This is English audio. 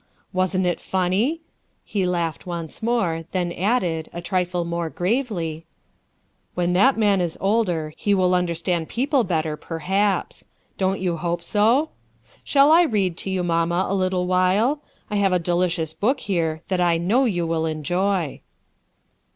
Wasn't it funny?" He laughed once more, then added, a trifle more gravely :^ "When that man is older, he will understand people better, perhaps. Don't you hope so? Shall I read to you, mamma, a little while? I have a delicious book here that I know you will enjoy."